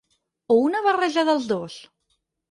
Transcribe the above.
O una barreja dels dos?